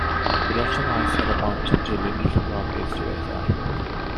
Bu lot o waith ar y bont yn dilyn y llifogydd diweddar.